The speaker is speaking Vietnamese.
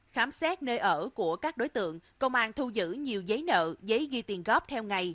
khám xét nơi ở của các đối tượng công an thu giữ nhiều giấy nợ giấy ghi tiền góp theo ngày